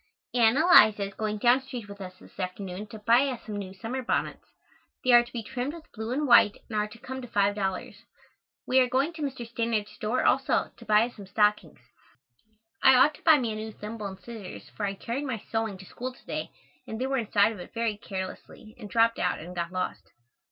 Ann Eliza is going down street with us this afternoon to buy us some new summer bonnets. They are to be trimmed with blue and white and are to come to five dollars. We are going to Mr. Stannard's store also, to buy us some stockings. I ought to buy me a new thimble and scissors for I carried my sewing to school to day and they were inside of it very carelessly and dropped out and got lost.